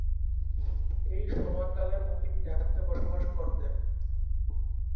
এই সময়কালে মুমিন ঢাকাতে বসবাস করতেন।